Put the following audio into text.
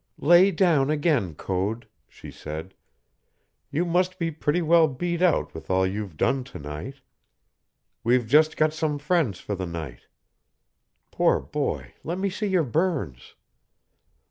"Lay down again, Code," she said. "You must be pretty well beat out with all you've done to night. We've just got some friends for the night. Poor boy, let me see your burns!"